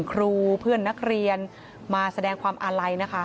ครูเพื่อนนักเรียนมาแสดงความอาลัยนะคะ